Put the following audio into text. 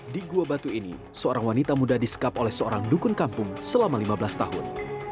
di gua batu ini seorang wanita muda disekap oleh seorang dukun kampung selama lima belas tahun